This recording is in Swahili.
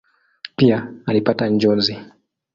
Pia alipata njozi.